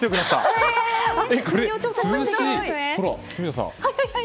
ほら、住田さん。